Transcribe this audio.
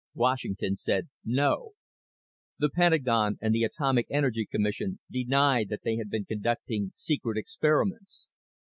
Washington said no. The Pentagon and the Atomic Energy Commission denied that they had been conducting secret experiments.